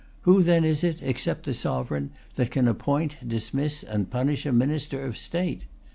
Who then is it, except the Sovereign, that can appoint, dismiss, and punish a Minister of State?